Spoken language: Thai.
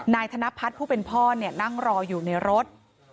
ธนพัฒน์ผู้เป็นพ่อนั่งรออยู่ในรถ